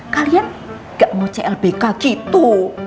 kalian gak mau clbk gitu